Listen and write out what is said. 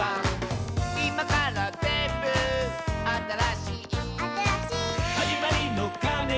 「いまからぜんぶあたらしい」「あたらしい」「はじまりのかねが」